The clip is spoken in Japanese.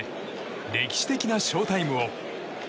歴史的なショウタイムを。